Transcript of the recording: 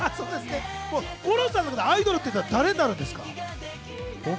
五郎さんがアイドルというと誰になるんですか？